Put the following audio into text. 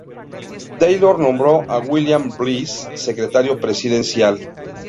Taylor nombró a William Bliss secretario presidencial.